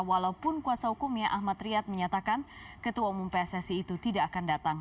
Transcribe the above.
walaupun kuasa hukumnya ahmad riyad menyatakan ketua umum pssi itu tidak akan datang